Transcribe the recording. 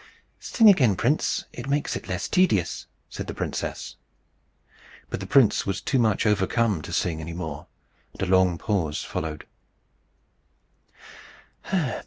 "Sing again, prince. It makes it less tedious," said the princess. But the prince was too much overcome to sing any more, and a long pause followed.